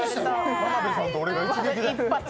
田辺さんと俺が一撃で。